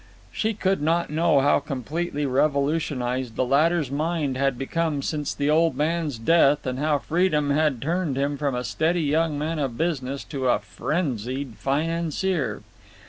She could not know how completely revolutionized the latter's mind had become since the old man's death, and how freedom had turned him from a steady young man of business to a frenzied financier.